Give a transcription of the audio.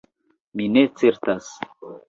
Mi ne certas.